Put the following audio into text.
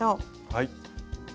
はい。